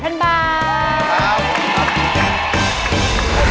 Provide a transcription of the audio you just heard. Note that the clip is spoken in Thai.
ขอบคุณครับ